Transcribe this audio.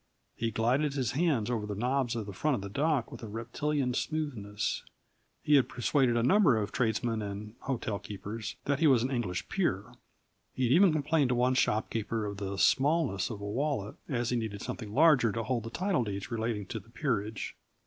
He glided his hands over the knobs on the front of the dock with a reptilian smoothness. He had persuaded a number of tradesmen and hotel keepers that he was an English peer. He had even complained to one shopkeeper of the smallness of a wallet, as he needed something larger to hold the title deeds relating to the peerage.